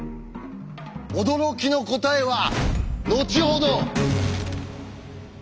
驚きの答えは後ほど。